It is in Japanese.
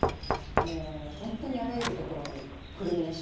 もうほんっとにあらゆるところにくるみが忍んでますね。